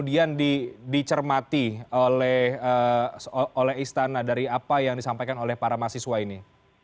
kemudian dicermati oleh istana dari apa yang disampaikan oleh para mahasiswa ini